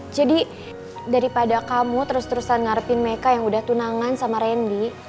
jadi daripada kamu terus terusan ngarepin mereka yang udah tunangan sama randy